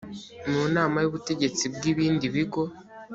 mu nama y ubutegetsi bw ibindi bigo